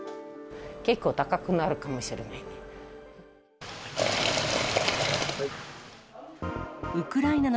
結構高くなるかもしれない。